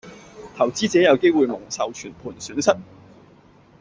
投資者有機會蒙受全盤損失